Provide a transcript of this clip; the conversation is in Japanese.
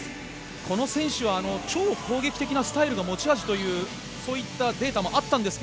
この選手は超攻撃的なスタイルが持ち味というデータもあったんですが